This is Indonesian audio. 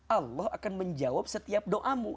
allah akan menjawab setiap doamu